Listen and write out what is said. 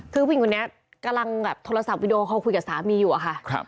คือผู้หญิงคนนี้กำลังแบบโทรศัพท์วิดีโอคอลคุยกับสามีอยู่อะค่ะ